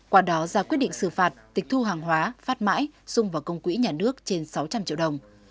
qua đó ra quyết định xử phạt tịch thu hàng hóa phát mãi sung vào công quỹ nhà nước trên sáu trăm linh triệu đồng